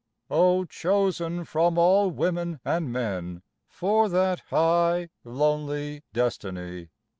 O chosen from all women and men For that high lonely destiny